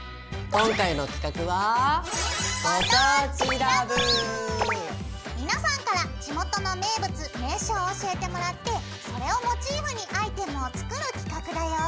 今回の企画は皆さんから地元の名物名所を教えてもらってそれをモチーフにアイテムを作る企画だよ！